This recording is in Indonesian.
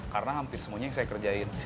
karena hampir semuanya yang saya kerjain